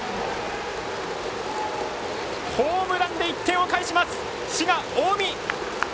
ホームランで１点を返します滋賀・近江。